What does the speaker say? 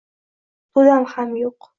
To‘dam ham yo‘q.